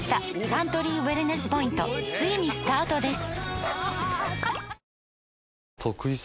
サントリーウエルネスポイントついにスタートです！